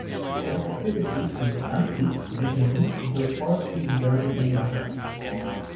His activities in Danzig made him move into forestry in Germany and Russia.